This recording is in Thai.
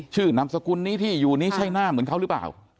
นามสกุลนี้ที่อยู่นี้ใช่หน้าเหมือนเขาหรือเปล่า